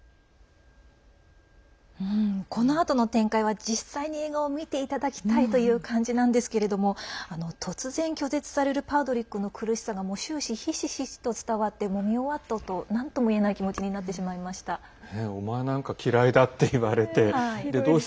このあとの展開は、実際に映画を見ていただきたいという感じなんですけれども突然拒絶されるパードリックの苦しさが終始ひしひしと伝わって見終わったあとなんともいえない気持ちになってしまいました。